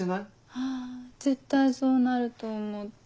はぁ絶対そうなると思った。